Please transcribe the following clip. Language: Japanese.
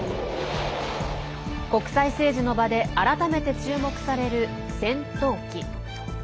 国際政治の場で改めて注目される戦闘機。